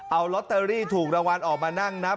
เอาลอตเตอรี่ถูกรางวัลออกมานั่งนับ